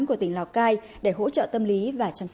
của tỉnh lào cai để hỗ trợ tâm lý và chăm sóc y tế